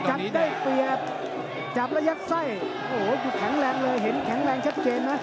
จับได้เปรียบจับแล้วยัดไส้โอ้โหหยุดแข็งแรงเลยเห็นแข็งแรงชัดเจนนะ